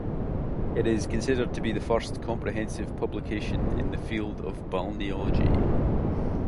It is considered to be the first comprehensive publication in the field of balneology.